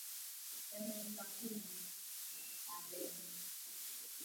Kuvimba tezi za nje